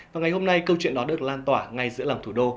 và ngày hôm nay câu chuyện đó được lan tỏa ngay giữa lòng thủ đô